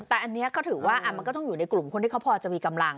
แต่อันนี้เขาถือว่ามันก็ต้องอยู่ในกลุ่มคนที่เขาพอจะมีกำลัง